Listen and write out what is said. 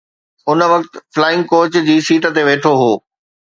ان وقت flying coach جي seat تي ويٺو هو